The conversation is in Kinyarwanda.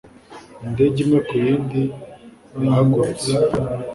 Indege imwe ku yindi yahagurutse